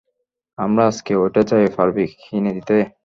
আমার আজকেই ওটা চাই, পারবি কিনে দিতে?